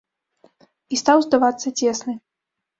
І стаў здавацца цесны.